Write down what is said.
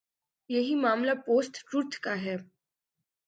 یہی معاملہ post truth کا ہے۔